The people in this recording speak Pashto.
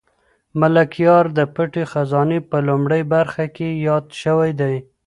ملکیار د پټې خزانې په لومړۍ برخه کې یاد شوی دی.